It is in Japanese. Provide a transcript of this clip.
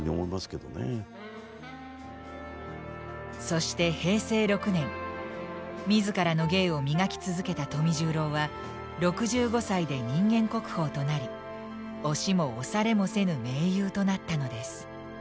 そして平成６年自らの芸を磨き続けた富十郎は６５歳で人間国宝となり押しも押されもせぬ名優となったのです。